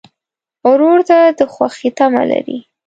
ورور ته د خوښۍ تمه لرې.